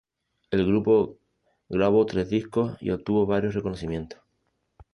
El grupo grabo tres discos y obtuvo varios reconocimientos.